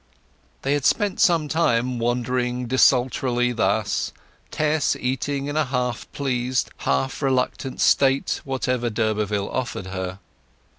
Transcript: They had spent some time wandering desultorily thus, Tess eating in a half pleased, half reluctant state whatever d'Urberville offered her.